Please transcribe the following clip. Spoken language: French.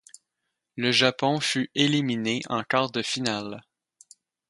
Le Japon fut éliminé en quarts-de-finale.